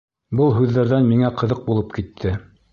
Был һүҙҙәрҙән миңә ҡыҙыҡ булып китте.